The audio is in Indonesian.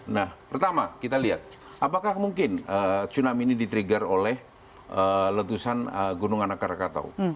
nah pertama kita lihat apakah mungkin tsunami ini di trigger oleh letusan gunung anak rakatau